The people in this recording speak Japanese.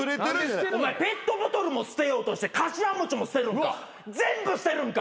お前ペットボトルも捨てようとしてかしわ餅も捨てるんか？